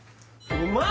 うまい・